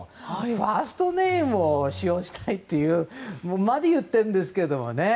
ファーストネームを使用したいということまで言ってるんですけどね。